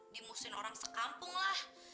dimusuhin orang sekampung lah